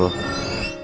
tidak ada masalah